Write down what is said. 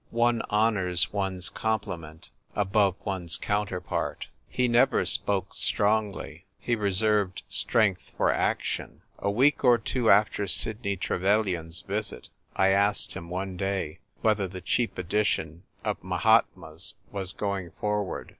One honours one's complement above one's counterpart. He never spoke strongly; he reserved strength for action. A week or two after Sidney Trevelyan's visit I asked him one day whether the cheap edition of "Mahatmas" was going forward.